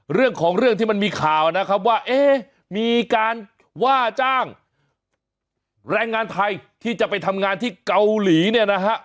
เรื่องของเรื่องที่มันมีข่าวนะครับว่าเอ๊ะมีการว่าจ้างแรงงานไทยที่จะไปทำงานที่เกาหลีเนี่ยนะฮะ